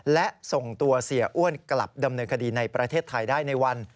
และส่งตัวเสียอ้วนกลับดำเนินคดีในประเทศไทยได้ในวัน